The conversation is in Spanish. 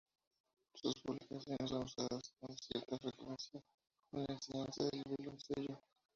Sus publicaciones son usadas con cierta frecuencia en la enseñanza del violoncello.